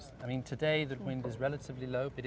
hari ini udara ini agak rendah